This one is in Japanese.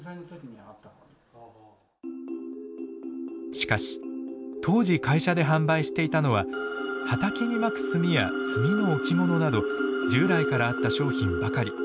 しかし当時会社で販売していたのは畑にまく炭や炭の置物など従来からあった商品ばかり。